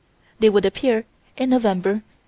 They would appear in November, 1899.